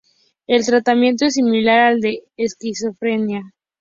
El tratamiento es similar al de la esquizofrenia.